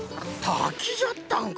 たきじゃったんか！